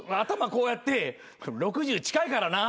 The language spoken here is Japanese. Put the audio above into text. こうやって「６０近いからな」